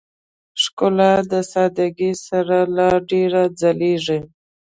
ښکلا د سادهګۍ سره لا ډېره ځلېږي.